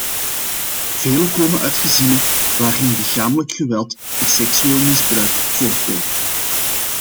Velen komen uit gezinnen waarin lichamelijk geweld en seksueel misbruik voorkomen.